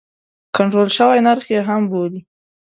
کنټرول شوی نرخ یې هم بولي.